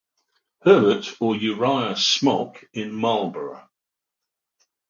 Herbert or Uriah Smock in Marlboro.